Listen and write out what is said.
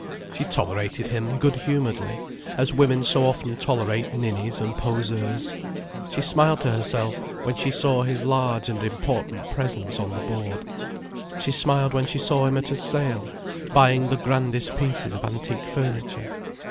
She tolerated him good humouredly, as women so often tolerate ninnies and poseurs. She smiled to herself when she saw his large and important presence on the board. She smiled when she saw him at a sale, buying the grandest pieces of antique furniture.